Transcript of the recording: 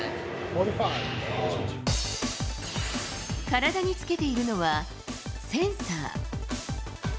体につけているのは、センサー。